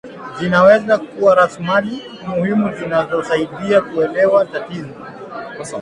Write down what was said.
zinaweza kuwa rasmali muhimu zinazosaidia kuelewa tatizo